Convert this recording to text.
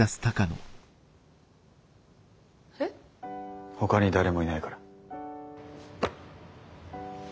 えっ？ほかに誰もいないから。